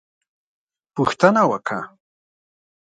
_پوښتنه وکه!